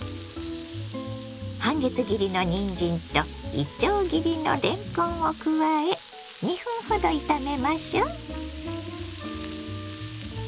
半月切りのにんじんといちょう切りのれんこんを加え２分ほど炒めましょ。